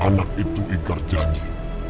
anak itu ingkar janji